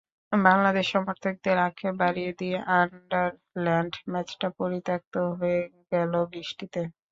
বাংলাদেশ সমর্থকদের আক্ষেপ বাড়িয়ে দিয়ে আয়ারল্যান্ড ম্যাচটা পরিত্যক্ত হয়ে গেল বৃষ্টিতে।